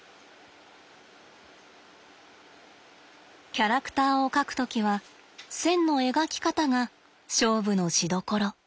キャラクターを描く時は線の描き方が勝負のしどころ。